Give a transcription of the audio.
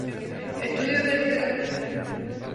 Estudios de literatura".